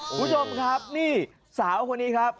คุณผู้ชมครับนี่สาวคนนี้ครับ